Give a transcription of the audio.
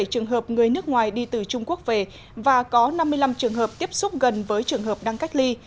bảy mươi trường hợp người nước ngoài đi từ trung quốc về và có năm mươi năm trường hợp tiếp xúc gần với trường hợp đang cách ly